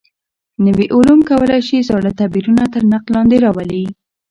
نوي علوم کولای شي زاړه تعبیرونه تر نقد لاندې راولي.